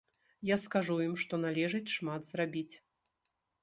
Я скажу ім, што належыць шмат зрабіць.